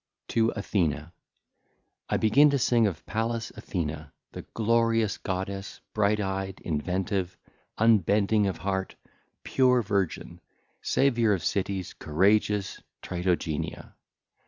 XXVIII. TO ATHENA (ll. 1 16) I begin to sing of Pallas Athene, the glorious goddess, bright eyed, inventive, unbending of heart, pure virgin, saviour of cities, courageous, Tritogeneia.